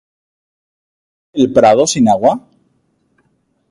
¿Crece el prado sin agua?